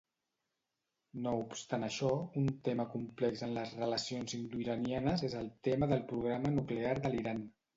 No obstant això, un tema complex en les relacions indoiranianes és el tema del programa nuclear de l'Iran.